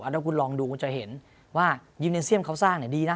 อ่ะแล้วคุณลองดูก็จะเห็นว่ายิวเนสเซียมเค้าสร้างนี่ดีนะ